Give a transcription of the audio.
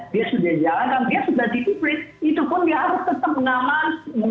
dia sudah dijalankan dia sudah di preach itu pun dia harus tetap mengamati